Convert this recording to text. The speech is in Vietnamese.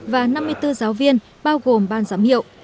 và năm mươi bốn giáo viên bao gồm ban giám hiệu